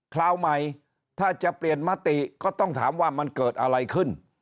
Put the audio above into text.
คราวใหม่ถ้าจะเปลี่ยนมติก็ต้องถามว่ามันเกิดอะไรขึ้น